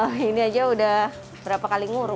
iya ini saja sudah berapa kali nguruk